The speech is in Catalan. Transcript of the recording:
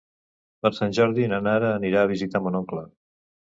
Per Sant Jordi na Nara anirà a visitar mon oncle.